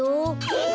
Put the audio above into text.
え！